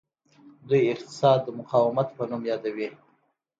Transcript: دوی اقتصاد د مقاومت په نوم یادوي.